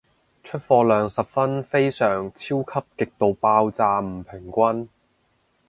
出貨量十分非常超級極度爆炸唔平均